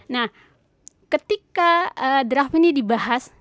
nah ketika draft ini dibahas